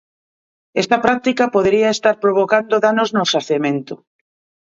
Esta práctica podería estar provocando danos no xacemento.